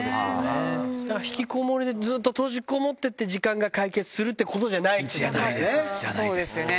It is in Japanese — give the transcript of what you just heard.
だから引きこもりでずっと閉じこもってて、時間が解決するってことじゃないってことだね。